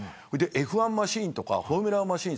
Ｆ１マシンとかフォーミュラマシン